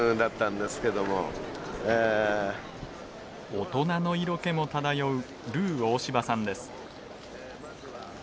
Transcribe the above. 大人の色気も漂うルー大柴さんです。